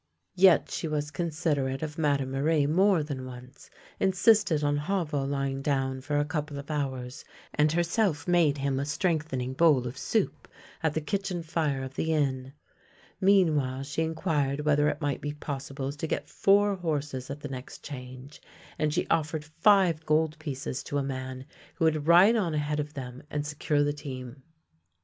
Yet she was considerate of Madame Marie more than once, insisted on Havel lying down for a couple of hours, and herself made him a strengthening bowl of soup at the kitchen fire of the inn. Meanwhile she inquired whether it might be pos sible to get four bourses at the next change, and she offered five gold pieces to a man who would ride on ahead of them and secure the team.